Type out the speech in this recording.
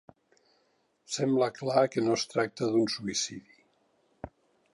Sembla clar que no es tracta d'un suïcidi.